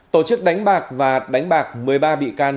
tổ chức đánh bạc và đánh bạc một mươi ba bị can